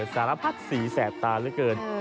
สารพัดสีแสบตานเท่าไหร่เกิน